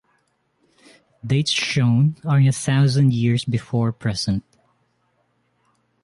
Dates shown are in thousand years before present.